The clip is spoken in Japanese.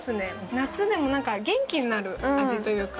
夏でも元気になる味というか。